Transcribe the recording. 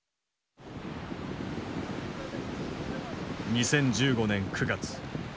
２０１５年９月。